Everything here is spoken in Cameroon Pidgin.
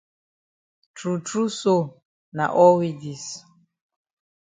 True true so na all we dis.